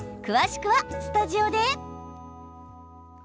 詳しくはスタジオで。